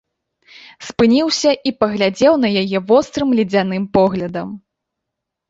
Спыніўся і паглядзеў на яе вострым ледзяным поглядам.